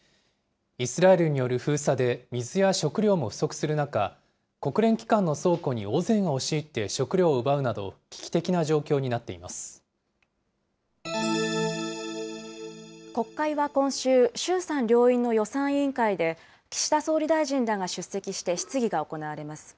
イスラエルによる封鎖で水や食料も不足する中、国連機関の倉庫に、大勢が押し入って食料を奪うなど、危機的な状況になってい国会は今週、衆参両院の予算委員会で、岸田総理大臣らが出席して質疑が行われます。